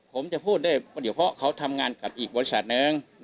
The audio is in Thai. ผมจะพูดได้ว่าเดี๋ยวเพราะเขาทำงานกับอีกบริษัทหนึ่ง